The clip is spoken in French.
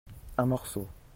un morceau.